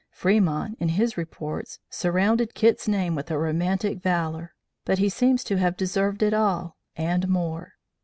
Fremont, in his reports, surrounded Kit's name with a romantic valor, but he seems to have deserved it all, and more.